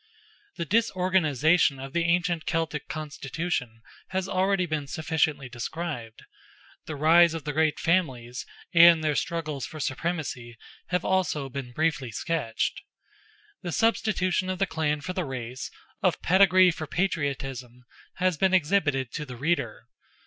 The disorganization of the ancient Celtic constitution has already been sufficiently described. The rise of the great families, and their struggles for supremacy, have also been briefly sketched. The substitution of the clan for the race, of pedigree for patriotism, has been exhibited to the reader.